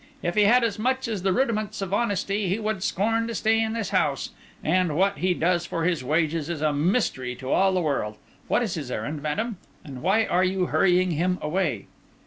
If he had as much as the rudiments of honesty, he would scorn to stay in this house; and what he does for his wages is a mystery to all the world. What is his errand, madam? and why are you hurrying him away?"